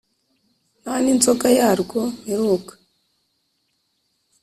Nta n' inzoga yarwo mperuka!